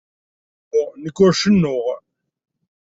Uhu, nekk ur cennuɣ.